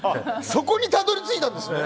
そこにたどり着いたんですね。